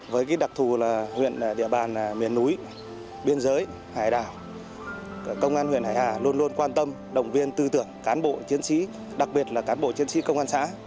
với đặc thù là huyện địa bàn miền núi biên giới hải đảo công an huyện hải hà luôn luôn quan tâm động viên tư tưởng cán bộ chiến sĩ đặc biệt là cán bộ chiến sĩ công an xã